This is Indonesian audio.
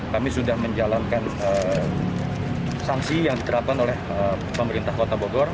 kami sudah menjalankan sanksi yang diterapkan oleh pemerintah kota bogor